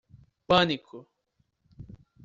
Pânico